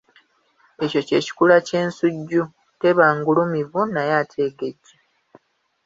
Ekyo kye kikula ky’ensujju, teba ngulumivu naye ate egejja.